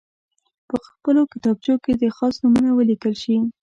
په خپلو کتابچو کې دې خاص نومونه ولیکل شي.